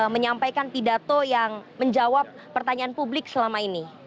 menyampaikan pidato yang menjawab pertanyaan publik selama ini